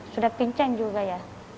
sudah pinceng juga ya